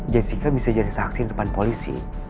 jessica bisa jadi saksi di depan polisi